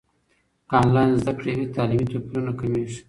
که انلاین زده کړه وي، تعلیمي توپیرونه کمېږي.